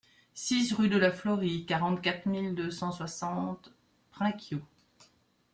six rue de la Florie, quarante-quatre mille deux cent soixante Prinquiau